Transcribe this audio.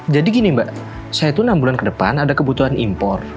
jadi gini mbak saya tuh enam bulan ke depan ada kebutuhan impor